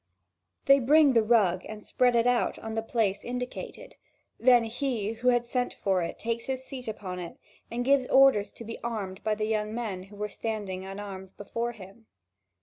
They bring the rug and spread it out in the place indicated; then he who had sent for it takes his seat upon it and gives orders to be armed by the young men who were standing unarmed before him.